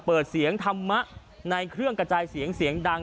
เปิดเสียงธรรมะในเครื่องกระจายเสียงเสียงดัง